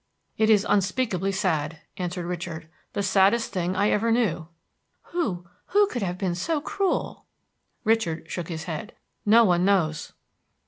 "It is unspeakably sad," answered Richard, "the saddest thing I ever knew." "Who who could have been so cruel?" Richard shook his head. "No one knows."